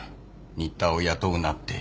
新田を雇うなって。